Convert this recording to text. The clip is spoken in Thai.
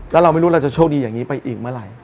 แล้วเราไม่รู้เราจะโชคดีอย่างนี้ไปอีกเมื่อไหร่